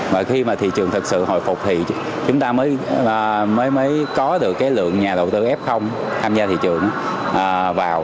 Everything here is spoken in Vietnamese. mà khi mà thị trường thực sự hồi phục thì chúng ta mới có được cái lượng nhà đầu tư f tham gia thị trường vào